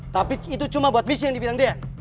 tapi itu cuma buat misi yang dibilang dia